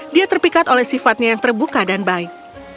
dia terpikat oleh sifatnya yang terbuka dan baik